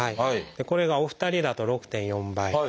これがお二人だと６．４倍。